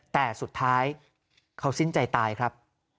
แต่สุดท้ายเขาสิ้นใจตายครับ